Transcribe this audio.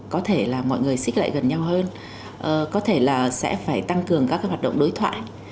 có thể là mọi người xích lại gần nhau hơn có thể là sẽ phải tăng cường các cái hoạt động đối thoại